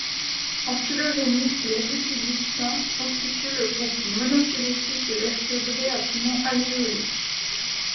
En phylogénie les rhipidistiens constituent le groupe monophylétique des vertébrés à poumons alvéolés.